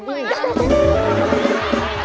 บุาย